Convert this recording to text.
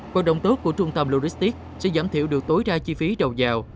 hoạt động tốt của trung tâm luristic sẽ giảm thiểu được tối ra chi phí đầu giàu